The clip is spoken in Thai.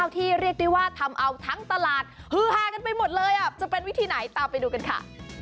ที่เรียกได้ว่าทำเอาทั้งตลาดฮือฮากันไปหมดเลยจะเป็นวิธีไหนตามไปดูกันค่ะ